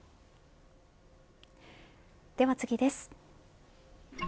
では次です。